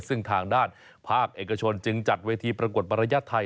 ซึ่งทางด้านภาคเอกชนจึงจัดเวทีปรากฏมารยาทไทย